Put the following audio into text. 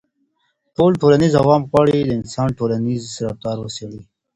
ټول ټولنيز علوم غواړي د انسان ټولنيز رفتار وڅېړي.